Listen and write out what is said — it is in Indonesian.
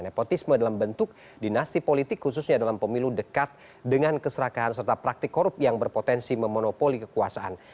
nepotisme dalam bentuk dinasti politik khususnya dalam pemilu dekat dengan keserakahan serta praktik korup yang berpotensi memonopoli kekuasaan